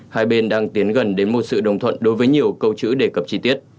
hai bên đang tiến gần đến một sự đồng thuận đối với nhiều câu chữ đề cập chi tiết